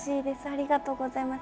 ありがとうございます。